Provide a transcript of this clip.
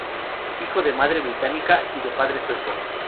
Hijo de madre británica y de padre sueco.